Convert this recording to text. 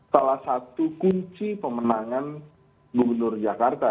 salah satu kunci pemenangan gubernur jakarta